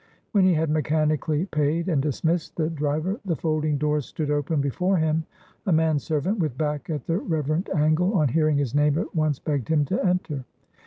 When he had mechanically paid and dismissed the driver, the folding doors stood open before him; a man servant, with back at the reverent angle, on hearing his name at once begged him to enter.